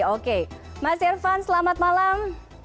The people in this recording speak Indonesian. oke mas irvan selamat malam